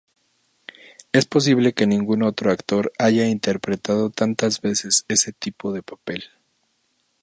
Es posible que ningún otro actor haya interpretado tantas veces ese tipo de papel.